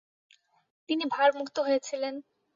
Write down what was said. তিনি ভার মুক্ত হয়েছিলেন।